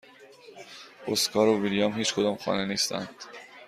اسکار و ویلیام هیچکدام خانه نیستند.